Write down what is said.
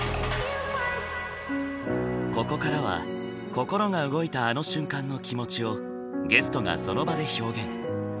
ここからは心が動いたあの瞬間の気持ちをゲストがその場で表現。